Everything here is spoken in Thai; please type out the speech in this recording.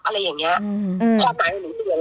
อะไรอย่างเงี้ย